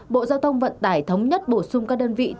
bộ giao thông vận tải thống nhất bổ sung các đơn vị